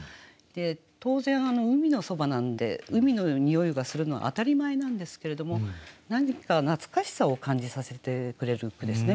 当然海のそばなんで海の匂いがするのは当たり前なんですけれども何か懐かしさを感じさせてくれる句ですね